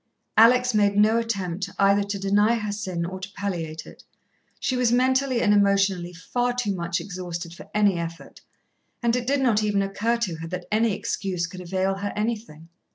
Alex made no attempt either to deny her sin or to palliate it. She was mentally and emotionally far too much exhausted for any effort, and it did not even occur to her that any excuse could avail her anything.